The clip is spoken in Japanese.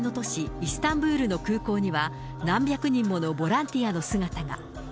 イスタンブールの空港には、何百人ものボランティアの姿が。